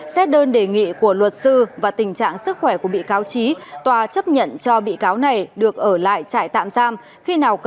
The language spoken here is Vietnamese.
xét đơn đề nghị của luật sư và tình trạng sức khỏe của bị cáo trí tòa chấp nhận cho bị cáo này được ở lại trại tạm giam